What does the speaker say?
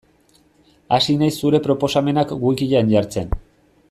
Hasi naiz zure proposamenak wikian jartzen.